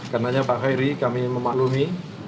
karena pak khairi kami memaklumi